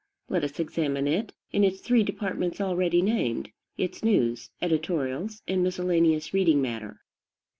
Let us examine it in its three departments already named, its news, editorials, and miscellaneous reading matter.